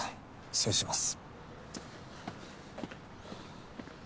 失礼します。